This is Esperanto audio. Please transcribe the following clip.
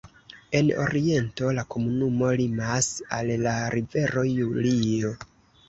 En oriento la komunumo limas al la rivero Julio.